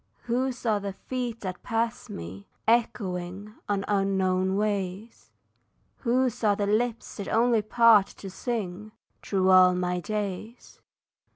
Whose are the feet that pass me, echoing On unknown ways? Whose are the lips that only part to sing Through all my days?